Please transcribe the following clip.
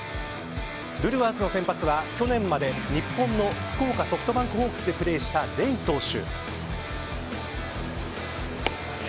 ブルワーズの先発は去年まで日本の福岡ソフトバンクホークスでプレーしたレイ投手。